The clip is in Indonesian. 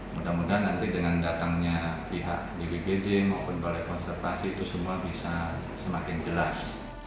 mudah mudahan nanti dengan datangnya pihak bpbd maupun balai konservasi itu semua bisa semakin jelas